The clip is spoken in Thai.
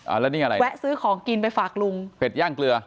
แล้วนี่อะไรแวะซื้อของกินไปฝากลุงเป็ดย่างเกลือ